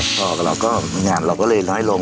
พอเราก็งานเราก็เลยน้อยลง